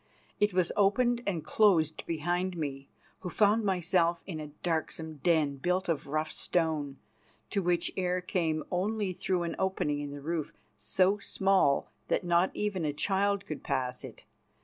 It was opened and closed behind me, who found myself in a darksome den built of rough stone, to which air came only through an opening in the roof, so small that not even a child could pass it.